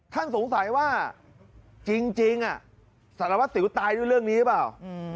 ท่านสงสัยว่าจริงสารวัสสิวตายด้วยเรื่องนี้หรือเปล่า